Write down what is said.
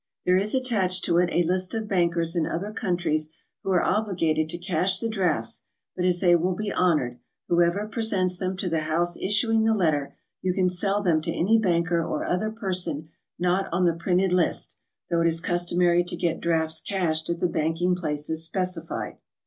There is attached to it a list of bankers in other countries who are obligated to cash the drafts, but as they will be honored, whoever presents them to the house issuing the letter, you can sell them to any banker or other person not on the printed list, though it is customary to get drafts cashed at the banking places specified.